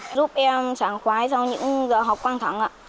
giúp em trải khói trong những giờ học quan thẳng